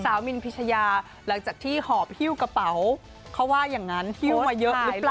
มินพิชยาหลังจากที่หอบฮิ้วกระเป๋าเขาว่าอย่างนั้นหิ้วมาเยอะหรือเปล่า